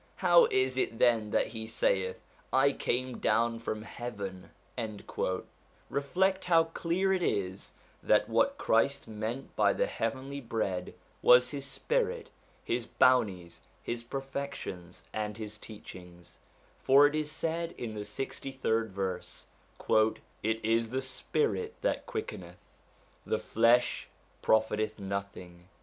how is it then that he saith, I came down from heaven ?* Reflect how clear it is that what Christ meant by the heavenly bread was his spirit, his bounties, his perfections, and his teachings ; for it is said in the 63rd verse :' It is the spirit that quickeneth, the flesh pro fiteth nothing.'